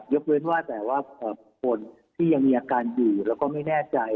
เว้นว่าแต่ว่าคนที่ยังมีอาการอยู่แล้วก็ไม่แน่ใจ